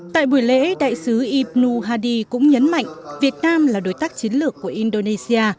tại buổi lễ đại sứ ibnu hadi cũng nhấn mạnh việt nam là đối tác chiến lược của indonesia